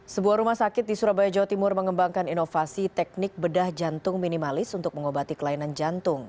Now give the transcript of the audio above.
sebuah rumah sakit di surabaya jawa timur mengembangkan inovasi teknik bedah jantung minimalis untuk mengobati kelainan jantung